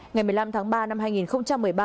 ngày một mươi năm tháng ba năm hai nghìn một mươi ba